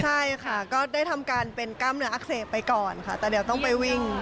ใช่ค่ะก็ได้ทำการเป็นกล้ามเนื้ออักเสบไปก่อนค่ะแต่เดี๋ยวต้องไปวิ่ง